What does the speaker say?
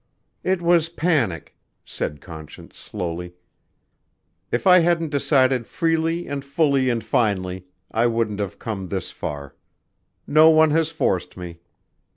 "It was panic," said Conscience slowly. "If I hadn't decided freely and fully and finally, I wouldn't have come this far. No one has forced me....